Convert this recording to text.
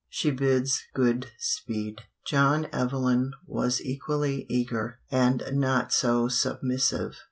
She bids good speed. John Evelyn was equally eager, and not so submissive.